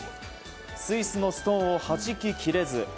スイスのストーンをはじき切れず。